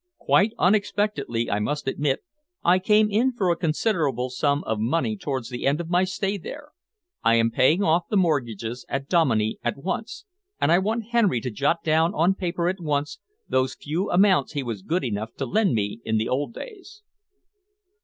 Quite unexpectedly, I must admit, I came in for a considerable sum of money towards the end of my stay there. I am paying off the mortgages at Dominey at once, and I want Henry to jot down on paper at once those few amounts he was good enough to lend me in the old days."